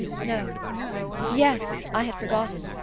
"No yes: I had forgotten.